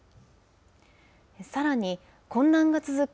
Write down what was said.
さらに、混乱が続く